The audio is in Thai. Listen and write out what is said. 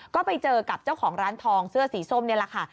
ก็ไปเจอกับเจ้าของร้านทองเสื้อสีส้มนี่แหละค่ะ